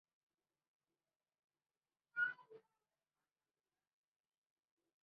তার এই আবিষ্কার কোয়ান্টাম তড়িৎ-গতিবিজ্ঞানের জগতে নতুন চিন্তাধারার জন্ম দিয়েছিল।